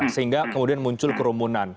sehingga kemudian muncul kerumunan